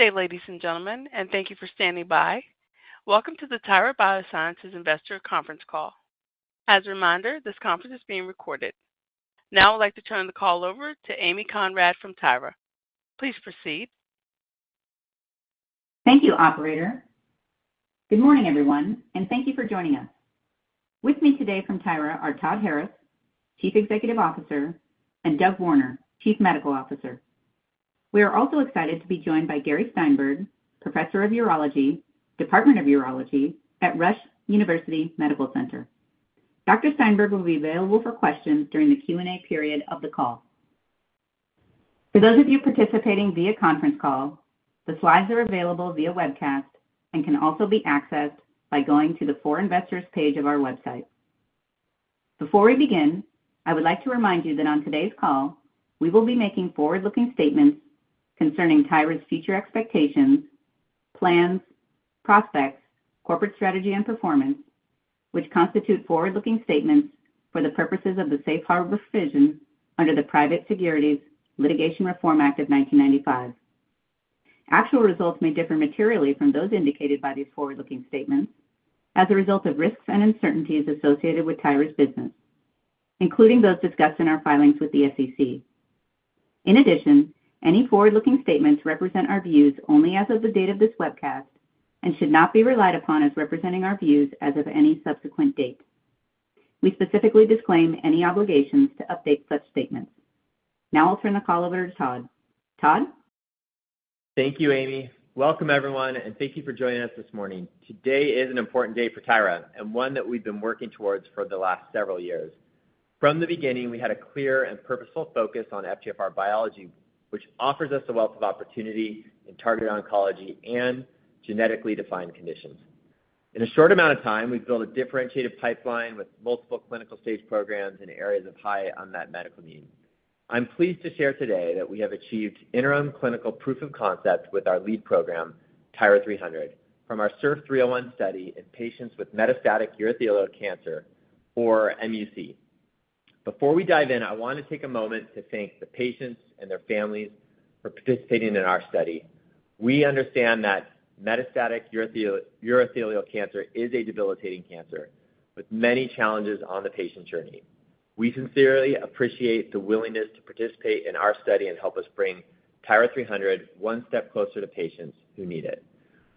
Good day, ladies and gentlemen, and thank you for standing by. Welcome to the Tyra Biosciences Investor Conference Call. As a reminder, this conference is being recorded. Now I'd like to turn the call over to Amy Conrad from Tyra Biosciences. Please proceed. Thank you, operator. Good morning, everyone, and thank you for joining us. With me today from Tyra Biosciences are Todd Harris, Chief Executive Officer, and Doug Warner, Chief Medical Officer. We are also excited to be joined by Gary Steinberg, Professor of Urology, Department of Urology at Rush University Medical Center. Dr. Steinberg will be available for questions during the Q&A period of the call. For those of you participating via conference call, the slides are available via webcast and can also be accessed by going to the For Investors page of our website. Before we begin, I would like to remind you that on today's call, we will be making forward-looking statements concerning Tyra's future expectations, plans, prospects, corporate strategy, and performance, which constitute forward-looking statements for the purposes of the safe harbor provisions under the Private Securities Litigation Reform Act of 1995. Actual results may differ materially from those indicated by these forward-looking statements as a result of risks and uncertainties associated with Tyra's business, including those discussed in our filings with the SEC. In addition, any forward-looking statements represent our views only as of the date of this webcast and should not be relied upon as representing our views as of any subsequent date. We specifically disclaim any obligations to update such statements. Now I'll turn the call over to Todd Harris. Todd Harris? Thank you, Amy Conrad. Welcome, everyone, and thank you for joining us this morning. Today is an important day for Tyra Biosciences and one that we've been working towards for the last several years. From the beginning, we had a clear and purposeful focus on FGFR biology, which offers us a wealth of opportunity in targeted oncology and genetically defined conditions. In a short amount of time, we've built a differentiated pipeline with multiple clinical-stage programs in areas of high unmet medical need. I'm pleased to share today that we have achieved interim clinical proof of concept with our lead program, TYRA-300, from our SURF301 study in patients with metastatic urothelial cancer or mUC. Before we dive in, I want to take a moment to thank the patients and their families for participating in our study. We understand that metastatic urothelial cancer is a debilitating cancer with many challenges on the patient journey. We sincerely appreciate the willingness to participate in our study and help us bring TYRA-300 one step closer to patients who need it.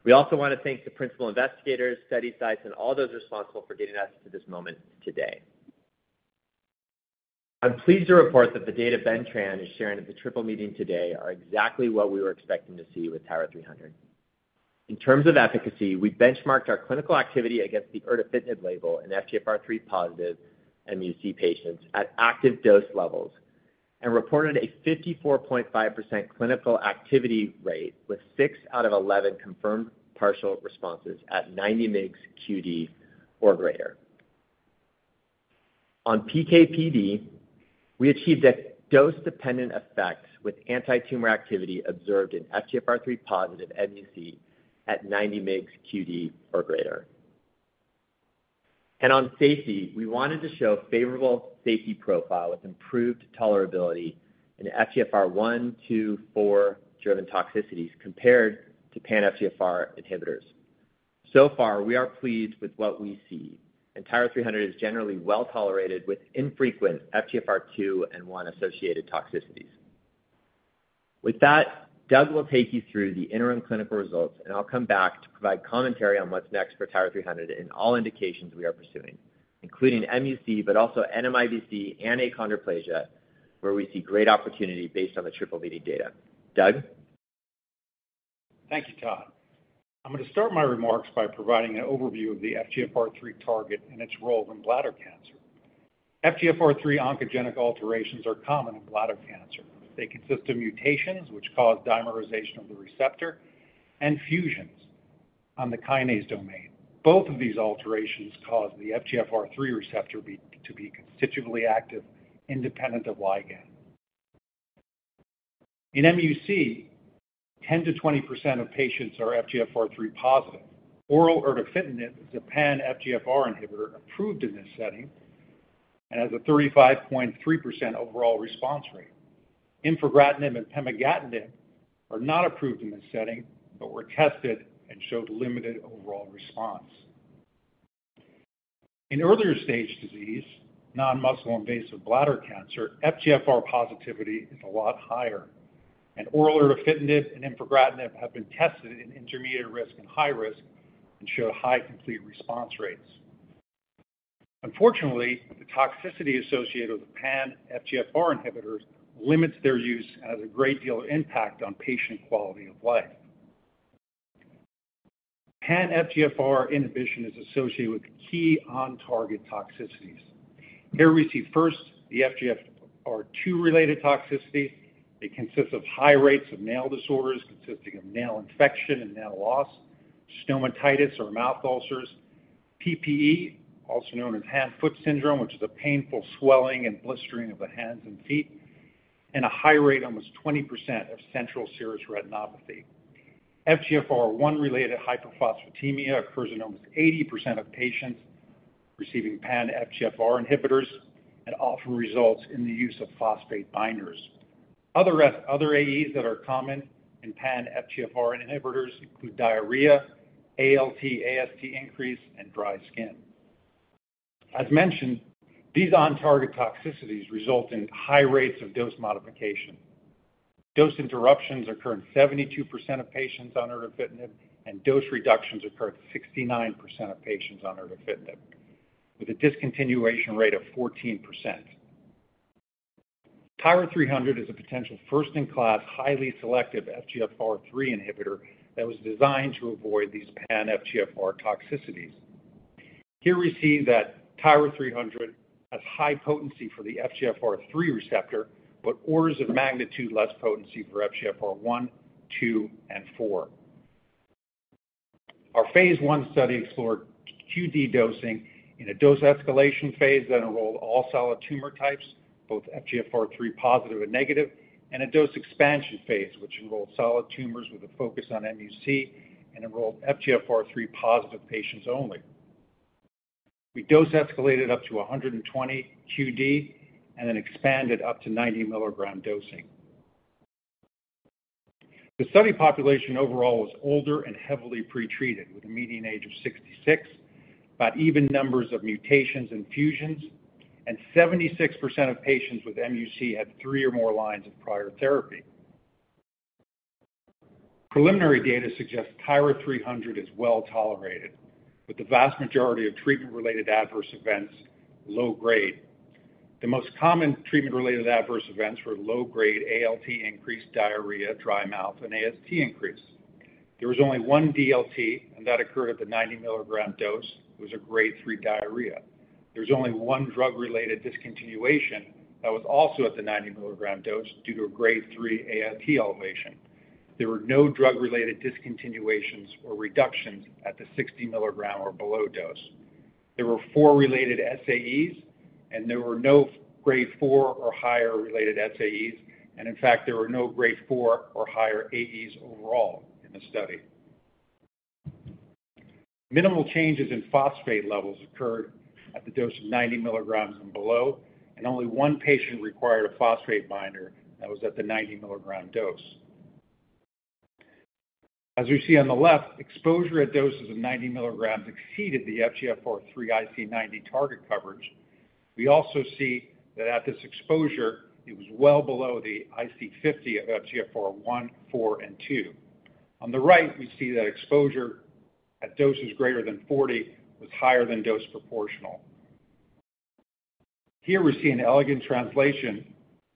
We also want to thank the principal investigators, study sites, and all those responsible for getting us to this moment today. I'm pleased to report that the data Ben Tran is sharing at the Triple Meeting today are exactly what we were expecting to see with TYRA-300. In terms of efficacy, we benchmarked our clinical activity against the erdafitinib label in FGFR3+ mUC patients at active dose levels and reported a 54.5% clinical activity rate, with six out of 11 confirmed partial responses at 90 mg QD or greater. On PK/PD, we achieved a dose-dependent effect with anti-tumor activity observed in FGFR3+ mUC at 90 mgs QD or greater. And on safety, we wanted to show favorable safety profile with improved tolerability in FGFR1, FGFR2, FGFR4 driven toxicities compared to pan-FGFR inhibitors. So far, we are pleased with what we see, and TYRA-300 is generally well-tolerated with infrequent FGFR2 and FGFR1-associated toxicities. With that, Doug Warner will take you through the interim clinical results, and I'll come back to provide commentary on what's next for TYRA-300 in all indications we are pursuing, including mUC, but also NMIBC and achondroplasia, where we see great opportunity based on the triple meeting data. Doug Warner? Thank you, Todd Harris. I'm going to start my remarks by providing an overview of the FGFR3 target and its role in bladder cancer. FGFR3 oncogenic alterations are common in bladder cancer. They consist of mutations which cause dimerization of the receptor and fusions on the kinase domain. Both of these alterations cause the FGFR3 receptor to be constitutively active, independent of ligand. In mUC, 10%-20% of patients are FGFR3+. Oral erdafitinib is a pan-FGFR inhibitor approved in this setting and has a 35.3% overall response rate. Infigratinib and pemigatinib are not approved in this setting, but were tested and showed limited overall response. In earlier stage disease, non-muscle invasive bladder cancer, FGFR positivity is a lot higher, and oral erdafitinib and infigratinib have been tested in intermediate risk and high risk and showed high complete response rates. Unfortunately, the toxicity associated with the pan-FGFR inhibitors limits their use and has a great deal of impact on patient quality of life. Pan-FGFR inhibition is associated with key on-target toxicities. Here we see first, the FGFR2 related toxicity. It consists of high rates of nail disorders, consisting of nail infection and nail loss, stomatitis or mouth ulcers, PPE, also known as hand-foot syndrome, which is a painful swelling and blistering of the hands and feet, and a high rate, almost 20%, of central serous retinopathy. FGFR1 related hyperphosphatemia occurs in almost 80% of patients receiving pan-FGFR inhibitors and often results in the use of phosphate binders. Other AEs that are common in pan-FGFR inhibitors include diarrhea, ALT, AST increase, and dry skin. As mentioned, these on-target toxicities result in high rates of dose modification. Dose interruptions occur in 72% of patients on erdafitinib, and dose reductions occur in 69% of patients on erdafitinib, with a discontinuation rate of 14%. TYRA-300 is a potential first-in-class, highly selective FGFR3 inhibitor that was designed to avoid these pan-FGFR toxicities. Here, we see that TYRA-300 has high potency for the FGFR3 receptor, but orders of magnitude less potency for FGFR1, FGFR2, and FGFR4. Our phase I study explored QD dosing in a dose escalation phase that enrolled all solid tumor types, both FGFR3+ and FGFR-, and a dose expansion phase, which enrolled solid tumors with a focus on mUC and enrolled FGFR3+ patients only. We dose escalated up to 120 QD and then expanded up to 90 mg dosing. The study population overall was older and heavily pretreated, with a median age of 66, about even numbers of mutations and fusions, and 76% of patients with mUC had 3 or more lines of prior therapy. Preliminary data suggests TYRA-300 is well tolerated, with the vast majority of treatment-related adverse events low Grade. The most common treatment-related adverse events were low-Grade ALT increase, diarrhea, dry mouth, and AST increase. There was only one DLT, and that occurred at the 90 mg dose. It was a Grade 3 diarrhea. There was only one drug-related discontinuation that was also at the 90 mg dose due to a Grade 3 ALT elevation. There were no drug-related discontinuations or reductions at the 60 mg or below dose. There were four related SAEs, and there were no Grade 4 or higher related SAEs, and in fact, there were no Grade 4 or higher AEs overall in the study. Minimal changes in phosphate levels occurred at the dose of 90 mgs and below, and only one patient required a phosphate binder that was at the 90 mg dose. As we see on the left, exposure at doses of 90 mgs exceeded the FGFR3 IC90 target coverage. We also see that at this exposure, it was well below the IC50 of FGFR1, FGFR4, and FGFR2. On the right, we see that exposure at doses greater than 40 mg was higher than dose proportional. Here we see an elegant translation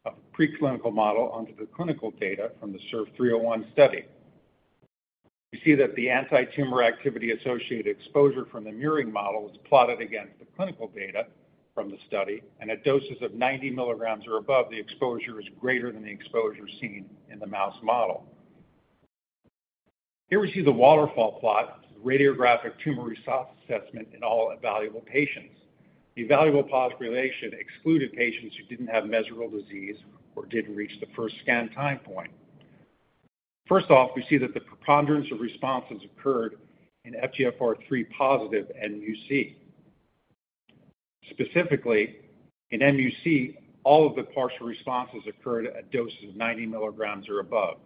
of the preclinical model onto the clinical data from the SURF301 study. We see that the anti-tumor activity associated exposure from the murine model is plotted against the clinical data from the study, and at doses of 90 mgs or above, the exposure is greater than the exposure seen in the mouse model. Here we see the waterfall plot, radiographic tumor response assessment in all evaluable patients. The evaluable population excluded patients who didn't have measurable disease or didn't reach the first scan time point. First off, we see that the preponderance of responses occurred in FGFR3+ mUC. Specifically, in mUC, all of the partial responses occurred at doses of 90 mgs or above.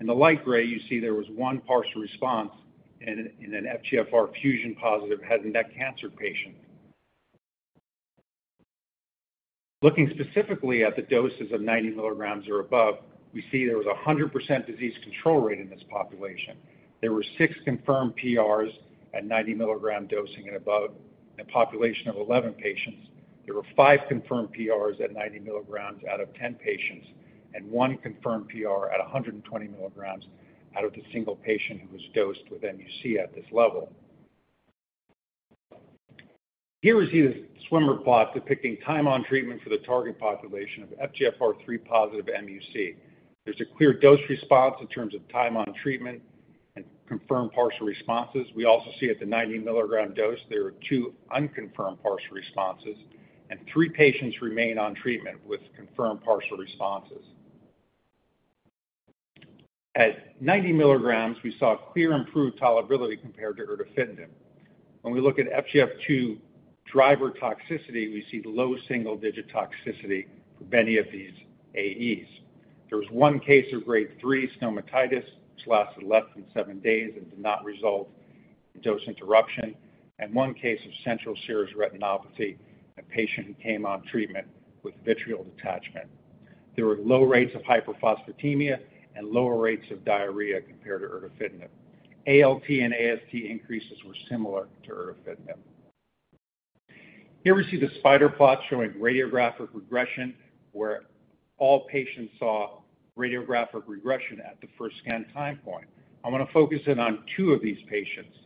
In the light gray, you see there was one partial response in an FGFR fusion+ head and neck cancer patient. Looking specifically at the doses of 90 mgs or above, we see there was a 100% disease control rate in this population. There were six confirmed PRs at 90 mg dosing and above. A population of 11 patients, there were five confirmed PRs at 90 mgs out of 10 patients, and one confirmed PR at 120 mgs out of the single patient who was dosed with mUC at this level. Here we see the swimmer plot depicting time on treatment for the target population of FGFR3+ mUC. There's a clear dose response in terms of time on treatment and confirmed partial responses. We also see at the 90 mg dose, there are two unconfirmed partial responses, and three patients remain on treatment with confirmed partial responses. At 90 mgs, we saw a clear improved tolerability compared to erdafitinib. When we look at FGFR-driven toxicity, we see low-single-digit toxicity for many of these AEs. There was one case of Grade 3 stomatitis, which lasted less than seven days and did not result in dose interruption, and one case of central serous retinopathy in a patient who came on treatment with vitreal detachment. There were low rates of hyperphosphatemia and lower rates of diarrhea compared to erdafitinib. ALT and AST increases were similar to erdafitinib. Here we see the spider plot showing radiographic regression, where all patients saw radiographic regression at the first scan time point. I want to focus in on two of these patients.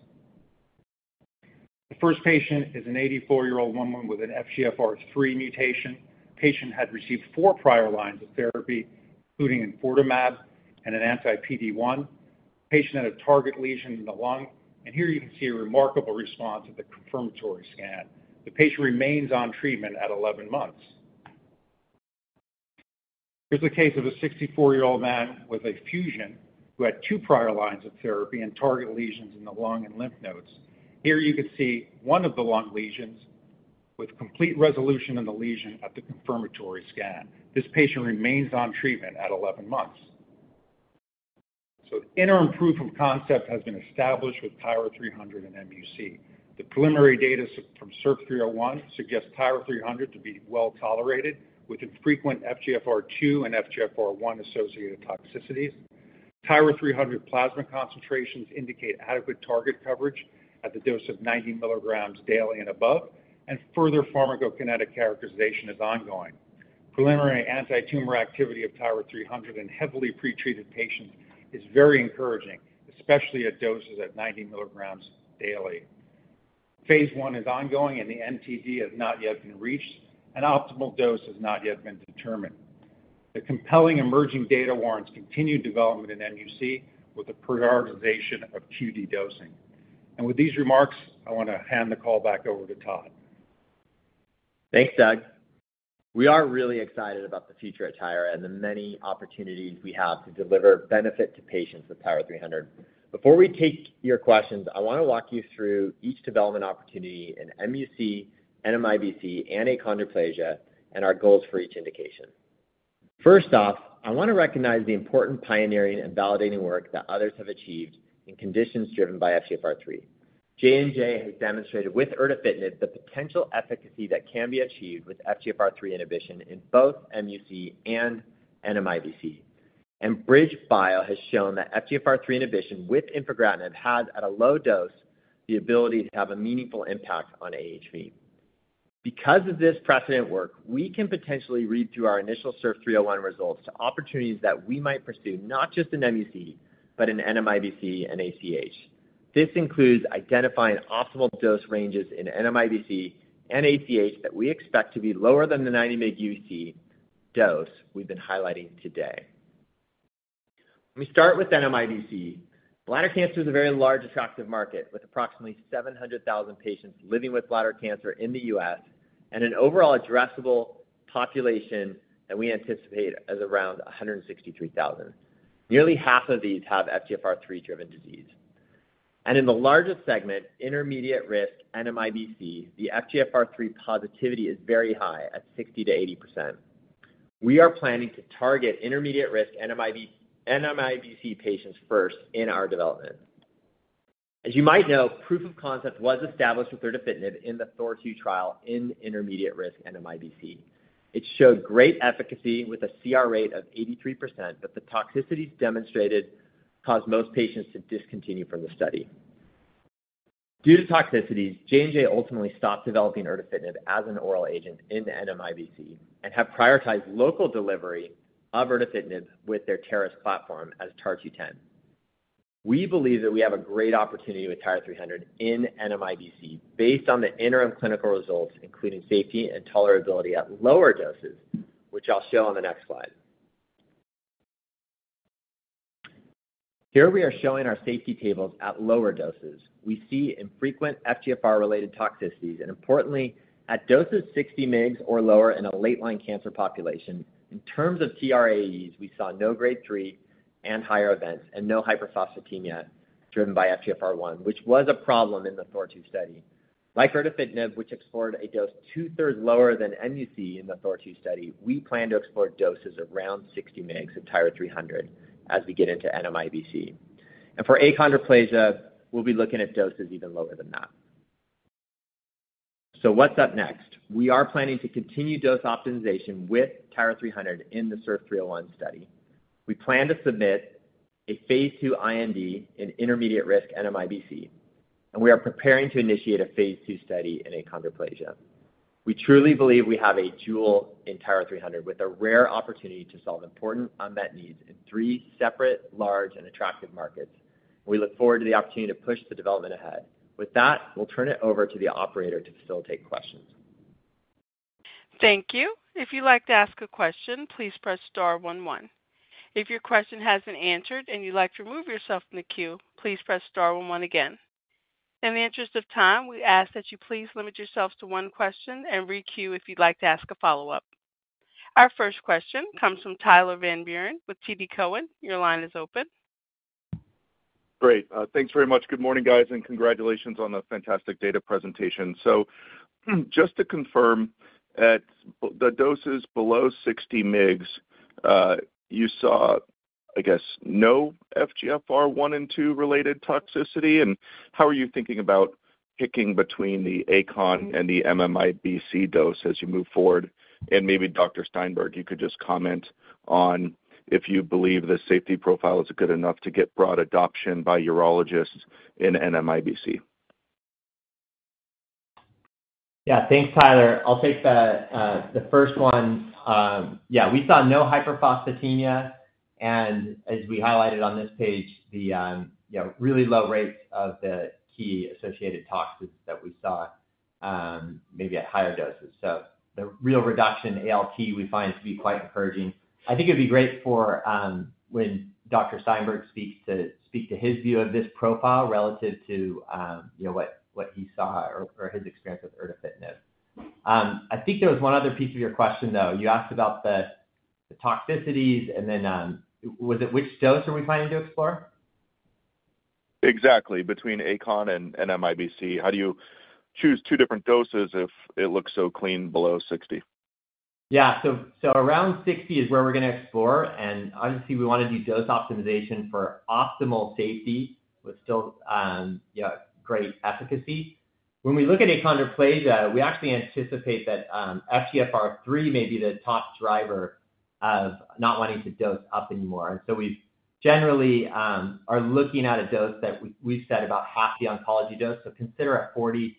The first patient is an 84 year-old woman with an FGFR3 mutation. Patient had received four prior lines of therapy, including enfortumab and an anti-PD-1. Patient had a target lesion in the lung, and here you can see a remarkable response at the confirmatory scan. The patient remains on treatment at eleven months. Here's the case of a 64-year-old man with a fusion, who had two prior lines of therapy and target lesions in the lung and lymph nodes. Here you can see one of the lung lesions with complete resolution in the lesion at the confirmatory scan. This patient remains on treatment at 11 months. So the interim proof of concept has been established with TYRA-300 in mUC. The preliminary data from SURF301 suggests TYRA-300 to be well tolerated, with infrequent FGFR2 and FGFR1-associated toxicities. TYRA-300 plasma concentrations indicate adequate target coverage at the dose of 90 mgs daily and above, and further pharmacokinetic characterization is ongoing. Preliminary antitumor activity of TYRA-300 in heavily pretreated patients is very encouraging, especially at doses at 90 mgs daily. Phase I is ongoing, and the MTD has not yet been reached, and optimal dose has not yet been determined. The compelling emerging data warrants continued development in mUC with the prioritization of QD dosing. And with these remarks, I want to hand the call back over to Todd Harris. Thanks, Doug Warner. We are really excited about the future at Tyra and the many opportunities we have to deliver benefit to patients with TYRA-300. Before we take your questions, I want to walk you through each development opportunity in mUC, NMIBC, and achondroplasia, and our goals for each indication. First off, I want to recognize the important pioneering and validating work that others have achieved in conditions driven by FGFR3. J&J has demonstrated with erdafitinib, the potential efficacy that can be achieved with FGFR3 inhibition in both mUC and NMIBC. BridgeBio has shown that FGFR3 inhibition with infigratinib has, at a low dose, the ability to have a meaningful impact on AHV. Because of this precedent work, we can potentially read through our initial SURF301 results to opportunities that we might pursue, not just in mUC, but in NMIBC and ACH. This includes identifying optimal dose ranges in NMIBC and ACH that we expect to be lower than the 90 mg mUC dose we've been highlighting today. Let me start with NMIBC. Bladder cancer is a very large attractive market, with approximately 700,000 patients living with bladder cancer in the U.S., and an overall addressable population that we anticipate as around 163,000. Nearly half of these have FGFR3-driven disease, and in the largest segment, intermediate risk NMIBC, the FGFR3 positivity is very high, at 60%-80%. We are planning to target intermediate risk NMIBC patients first in our development. As you might know, proof of concept was established with erdafitinib in the THOR-2 trial in intermediate risk NMIBC. It showed great efficacy with a CR rate of 83%, but the toxicities demonstrated caused most patients to discontinue from the study. Due to toxicities, J&J ultimately stopped developing erdafitinib as an oral agent in the NMIBC and have prioritized local delivery of erdafitinib with their TARIS platform as TAR-210. We believe that we have a great opportunity with TYRA-300 in NMIBC based on the interim clinical results, including safety and tolerability at lower doses, which I'll show on the next slide. Here we are showing our safety tables at lower doses. We see infrequent FGFR-related toxicities, and importantly, at doses 60 mg or lower in a late-line cancer population, in terms of TRAEs, we saw no Grade 3 and higher events and no hyperphosphatemia driven by FGFR1, which was a problem in the THOR-2 study. Like erdafitinib, which explored a dose 2/3 lower than mUC in the THOR-2 study, we plan to explore doses around 60 mg of TYRA-300 as we get into NMIBC. For achondroplasia, we'll be looking at doses even lower than that. What's up next? We are planning to continue dose optimization with TYRA-300 in the SURF301 study. We plan to submit a phase II IND in intermediate risk NMIBC, and we are preparing to initiate a phase II study in achondroplasia. We truly believe we have a jewel in TYRA-300 with a rare opportunity to solve important unmet needs in three separate, large, and attractive markets. We look forward to the opportunity to push the development ahead. With that, we'll turn it over to the operator to facilitate questions. Thank you. If you'd like to ask a question, please press star one, one. If your question has been answered and you'd like to remove yourself from the queue, please press star one one again. In the interest of time, we ask that you please limit yourself to one question and re-queue if you'd like to ask a follow-up. Our first question comes from Tyler Van Buren with TD Cowen. Your line is open. Great. Thanks very much. Good morning, guys, and congratulations on the fantastic data presentation. So just to confirm, at the doses below 60 mg, you saw, I guess, no FGFR1 and FGFR2 -related toxicity? And how are you thinking about picking between the achondroplasia and the NMIBC dose as you move forward? And maybe Dr. Gary Steinberg, you could just comment on if you believe the safety profile is good enough to get broad adoption by urologists in NMIBC. Yeah, thanks, Tyler Van Buren. I'll take the first one. Yeah, we saw no hyperphosphatemia, and as we highlighted on this page, you know, really low rates of the key associated toxins that we saw, maybe at higher doses. So the real reduction in ALT we find to be quite encouraging. I think it'd be great for, when Dr. Gary Steinberg speaks, to speak to his view of this profile relative to, you know, what, what he saw or his experience with erdafitinib. I think there was one other piece of your question, though. You asked about the toxicities, and then, was it which dose are we planning to explore?... Exactly, between ACH and NIMBC, how do you choose two different doses if it looks so clean below 60 mg? Yeah, so around 60 mg is where we're gonna explore, and obviously, we wanna do dose optimization for optimal safety, with still, yeah, great efficacy. When we look at achondroplasia, we actually anticipate that FGFR3 may be the top driver of not wanting to dose up anymore. And so we generally are looking at a dose that we've said about half the oncology dose. So consider a 40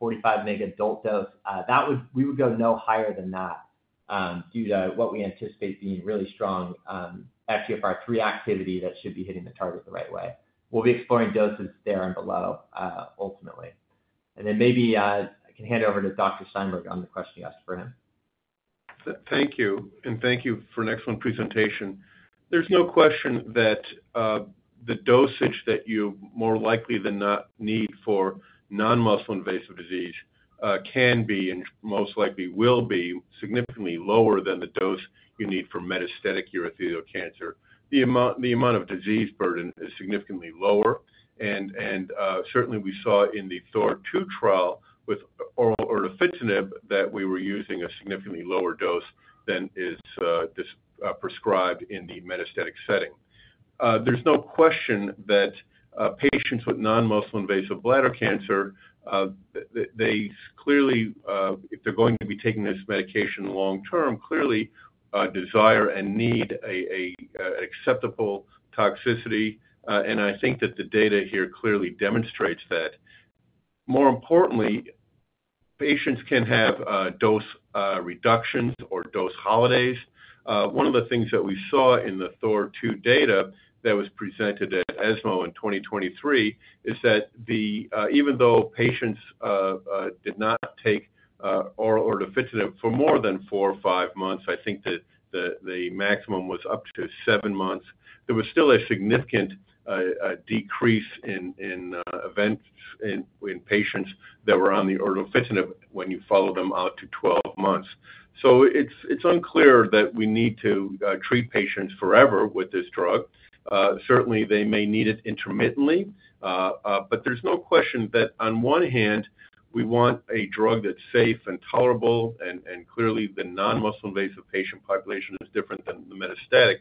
mg-45 mg adult dose. That would go no higher than that due to what we anticipate being really strong FGFR3 activity that should be hitting the target the right way. We'll be exploring doses there and below ultimately. And then maybe I can hand over to Dr. Gary Steinberg on the question you asked for him. Thank you, and thank you for an excellent presentation. There's no question that the dosage that you more likely than not need for non-muscle invasive disease can be, and most likely will be, significantly lower than the dose you need for metastatic urothelial cancer. The amount of disease burden is significantly lower, and certainly we saw in the THOR-2 trial with oral erdafitinib, that we were using a significantly lower dose than is prescribed in the metastatic setting. There's no question that patients with non-muscle invasive bladder cancer, they clearly, if they're going to be taking this medication long term, clearly desire and need a acceptable toxicity, and I think that the data here clearly demonstrates that. More importantly, patients can have dose reductions or dose holidays. One of the things that we saw in the THOR-2 data that was presented at ESMO in 2023 is that even though patients did not take oral erdafitinib for more than four or five months, I think that the maximum was up to seven months, there was still a significant decrease in events in patients that were on the erdafitinib when you follow them out to 12 months. So it's unclear that we need to treat patients forever with this drug. Certainly, they may need it intermittently. But there's no question that on one hand, we want a drug that's safe and tolerable, and clearly the non-muscle invasive patient population is different than the metastatic.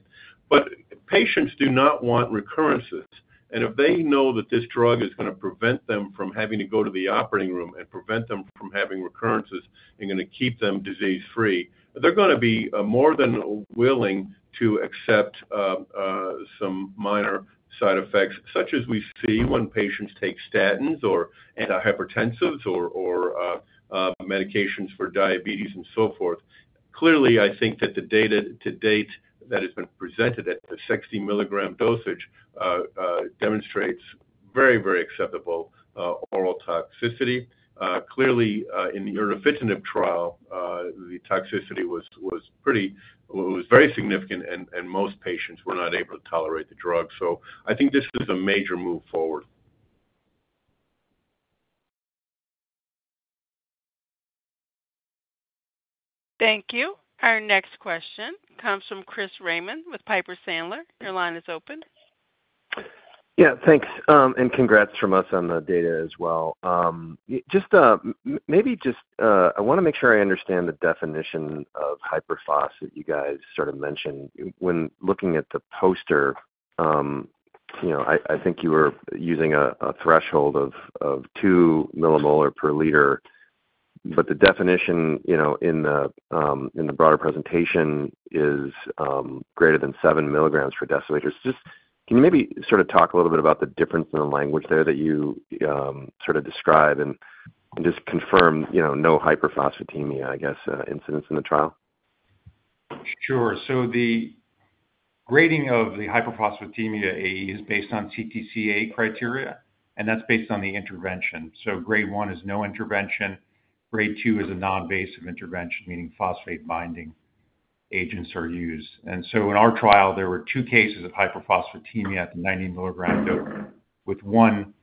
But patients do not want recurrences. If they know that this drug is gonna prevent them from having to go to the operating room and prevent them from having recurrences and gonna keep them disease free, they're gonna be more than willing to accept some minor side effects, such as we see when patients take statins or antihypertensives or medications for diabetes and so forth. Clearly, I think that the data to date that has been presented at the 60 mg dosage demonstrates very acceptable overall toxicity. Clearly, in the erdafitinib trial, the toxicity was very significant, and most patients were not able to tolerate the drug. I think this is a major move forward. Thank you. Our next question comes from Chris Raymond with Piper Sandler. Your line is open. Yeah, thanks and congrats from us on the data as well. Just maybe I wanna make sure I understand the definition of hyperphosph that you guys sort of mentioned. When looking at the poster, you know, I think you were using a threshold of 2 mM per L, but the definition, you know, in the broader presentation is greater than 7 mgs per deciliter. Just can you maybe sort of talk a little bit about the difference in the language there that you sort of describe and just confirm, you know, no hyperphosphatemia, I guess, incidents in the trial? Sure. So the grading of the hyperphosphatemia AE is based on CTCAE criteria, and that's based on the intervention. So Grade 1 is no intervention, Grade 2 is a non-invasive intervention, meaning phosphate binding agents are used. And so in our trial, there were two cases of hyperphosphatemia at the 90 mg dose, with one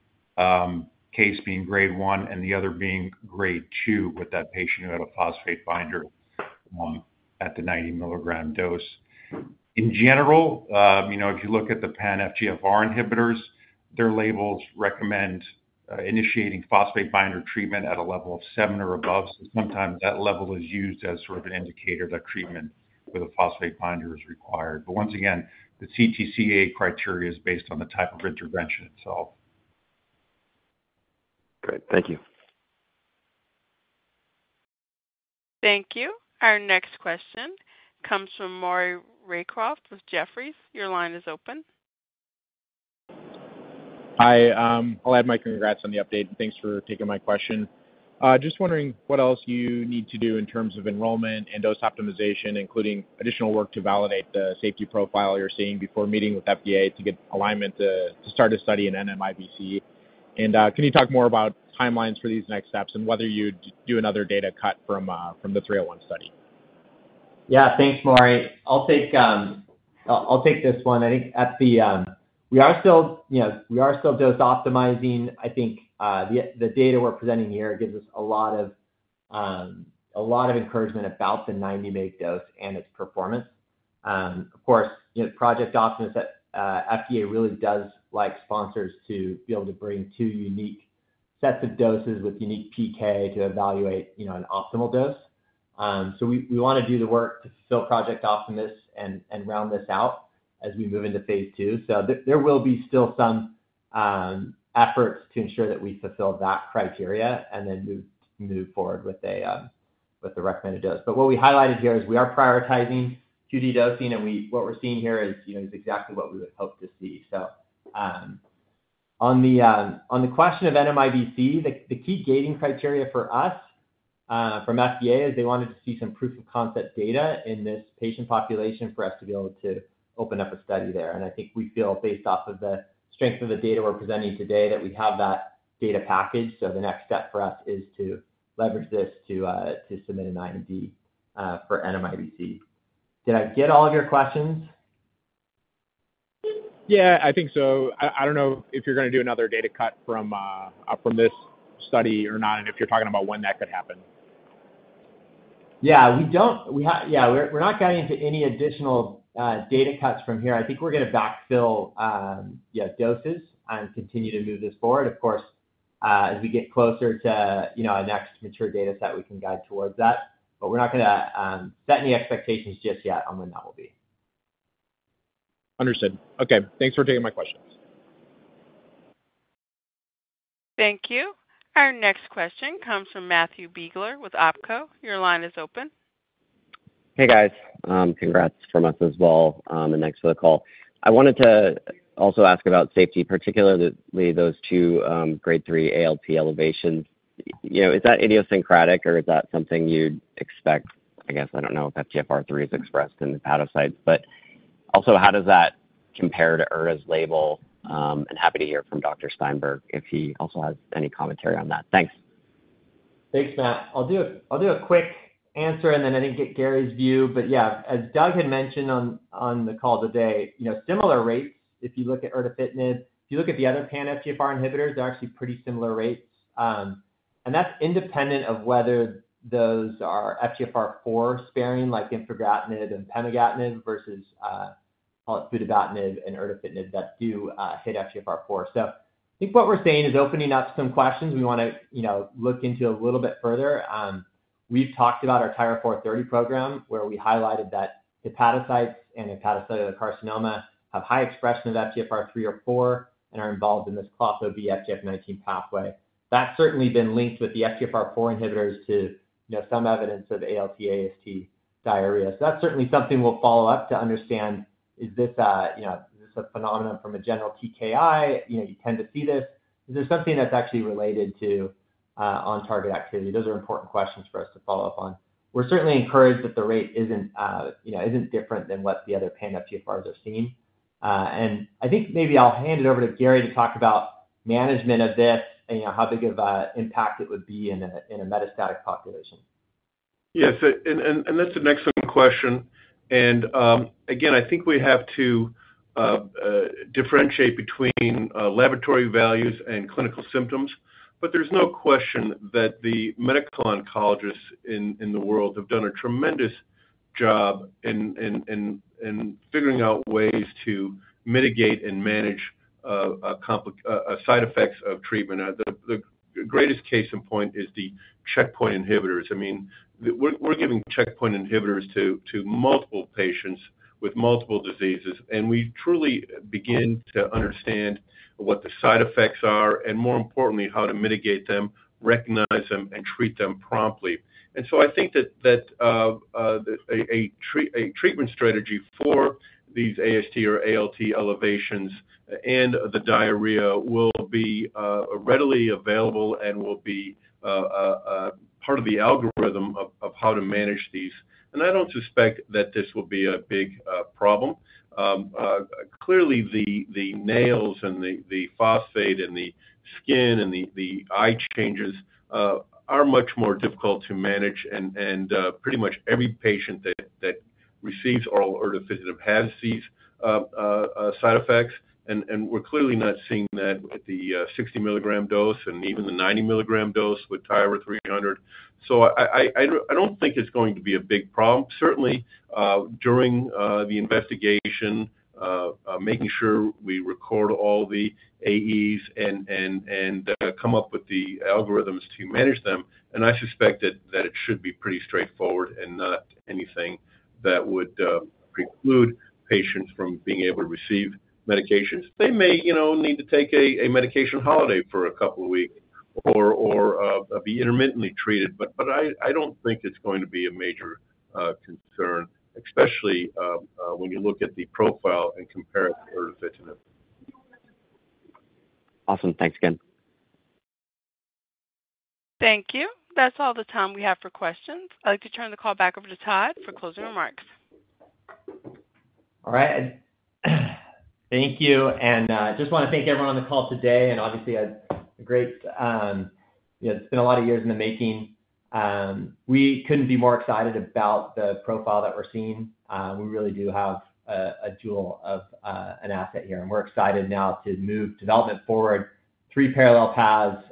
case being Grade 1 and the other being Grade 2, with that patient who had a phosphate binder at the 90 mg dose. In general, you know, if you look at the pan-FGFR inhibitors, their labels recommend initiating phosphate binder treatment at a level of seven or above. So sometimes that level is used as sort of an indicator that treatment with a phosphate binder is required. But once again, the CTCAE criteria is based on the type of intervention itself. Great. Thank you. Thank you. Our next question comes from Maury Raycroft with Jefferies. Your line is open. Hi, I'll add my congrats on the update, and thanks for taking my question. Just wondering what else you need to do in terms of enrollment and dose optimization, including additional work to validate the safety profile you're seeing before meeting with FDA to get alignment to start a study in NMIBC? Can you talk more about timelines for these next steps and whether you'd do another data cut from the SURF301 study? Yeah. Thanks, Maury Raycroft. I'll take this one. I think at the... We are still, you know, we are still dose optimizing. I think the data we're presenting here gives us a lot of encouragement about the 90 mg dose and its performance. Of course, you know, Project Optimus. FDA really does like sponsors to be able to bring two unique sets of doses with unique PK to evaluate, you know, an optimal dose. So we wanna do the work to fill Project Optimus and round this out as we move into phase II. So there will be still some efforts to ensure that we fulfill that criteria and then move forward with the recommended dose. But what we highlighted here is we are prioritizing QD dosing, and what we're seeing here is, you know, is exactly what we would hope to see. So, on the question of NMIBC, the key gating criteria for us from FDA is they wanted to see some proof-of-concept data in this patient population for us to be able to open up a study there. And I think we feel based off of the strength of the data we're presenting today, that we have that data package, so the next step for us is to leverage this to submit an IND for NMIBC. Did I get all of your questions? Yeah, I think so. I don't know if you're gonna do another data cut from this study or not, and if you're talking about when that could happen. Yeah, we don't. Yeah, we're not going into any additional data cuts from here. I think we're gonna backfill doses and continue to move this forward. Of course, as we get closer to, you know, a next mature data set, we can guide towards that, but we're not gonna set any expectations just yet on when that will be. Understood. Okay, thanks for taking my questions. Thank you. Our next question comes from Matthew Biegler with Oppenheimer. Your line is open. Hey, guys. Congrats from us as well, and thanks for the call. I wanted to also ask about safety, particularly those two Grade 3 ALT elevations. You know, is that idiosyncratic, or is that something you'd expect? I guess I don't know if FGFR3 is expressed in the hepatocytes, but also, how does that compare to erdafitinib's label? And happy to hear from Dr. Gary Steinberg, if he also has any commentary on that. Thanks. Thanks, Matthew Biegler. I'll do a quick answer, and then I think get Dr. Gary Steinberg view. But yeah, as Doug Warner had mentioned on the call today, you know, similar rates, if you look at erdafitinib. If you look at the other pan-FGFR inhibitors, they're actually pretty similar rates. And that's independent of whether those are FGFR4-sparing, like infigratinib and pemigatinib, versus, well, futibatinib and erdafitinib that do hit FGFR4. So I think what we're seeing is opening up some questions we wanna, you know, look into a little bit further. We've talked about our TYRA-430 program, where we highlighted that hepatocytes and hepatocellular carcinoma have high expression of FGFR3 or FGFR4 and are involved in this classic FGF19 pathway. That's certainly been linked with the FGFR4 inhibitors to, you know, some evidence of ALT, AST, diarrhea. So that's certainly something we'll follow up to understand, is this a, you know, is this a phenomenon from a general TKI, you know, you tend to see this? Is this something that's actually related to on-target activity? Those are important questions for us to follow up on. We're certainly encouraged that the rate isn't, you know, isn't different than what the other pan-FGFRs have seen. And I think maybe I'll hand it over to Dr. Gary Steinberg to talk about management of this and, you know, how big of a impact it would be in a metastatic population. Yes, and that's an excellent question, and again, I think we have to differentiate between laboratory values and clinical symptoms, but there's no question that the medical oncologists in the world have done a tremendous job in figuring out ways to mitigate and manage side effects of treatment. The greatest case in point is the checkpoint inhibitors. I mean, we're giving checkpoint inhibitors to multiple patients with multiple diseases, and we truly begin to understand what the side effects are, and more importantly, how to mitigate them, recognize them, and treat them promptly. And so I think that a treatment strategy for these AST or ALT elevations and the diarrhea will be readily available and will be a part of the algorithm of how to manage these. And I don't suspect that this will be a big problem. Clearly, the nails and the phosphate and the skin and the eye changes are much more difficult to manage and pretty much every patient that receives oral erdafitinib has these side effects. And we're clearly not seeing that with the 60 mg dose and even the 90 mg dose with TYRA-300. So I don't think it's going to be a big problem. Certainly, during the investigation, making sure we record all the AEs and come up with the algorithms to manage them, and I suspect that it should be pretty straightforward and not anything that would preclude patients from being able to receive medications. They may, you know, need to take a medication holiday for a couple of weeks or be intermittently treated, but I don't think it's going to be a major concern, especially when you look at the profile and compare it to erdafitinib. Awesome. Thanks again. Thank you. That's all the time we have for questions. I'd like to turn the call back over to Todd Harris for closing remarks. All right. Thank you, and just wanna thank everyone on the call today, and obviously, a great. You know, it's been a lot of years in the making. We couldn't be more excited about the profile that we're seeing. We really do have a jewel of an asset here, and we're excited now to move development forward, three parallel paths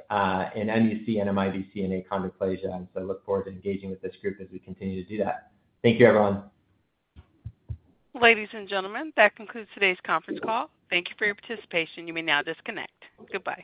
in mUC, NMIBC, and achondroplasia. So I look forward to engaging with this group as we continue to do that. Thank you, everyone. Ladies and gentlemen, that concludes today's conference call. Thank you for your participation. You may now disconnect. Goodbye.